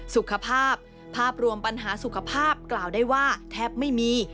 สุขภาพภาพภาพรวมปัญหาสุขภาพกล่าวได้ว่าแทบไม่มี